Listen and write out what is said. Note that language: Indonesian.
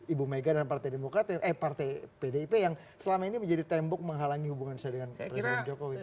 ibu mega dan partai demokrat eh partai pdip yang selama ini menjadi tembok menghalangi hubungan saya dengan presiden jokowi